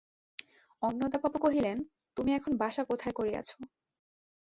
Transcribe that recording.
অন্নদাবাবু কহিলেন, তুমি এখন বাসা কোথায় করিয়াছ?